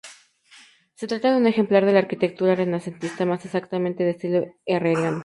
Se trata de un ejemplar de la arquitectura renacentista, más exactamente de estilo herreriano.